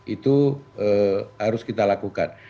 itu harus kita lakukan